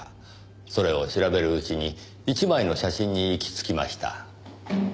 それを調べるうちに１枚の写真に行き着きました。